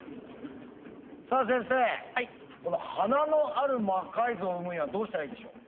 さあ先生この華のある魔改造を生むにはどうしたらいいでしょう？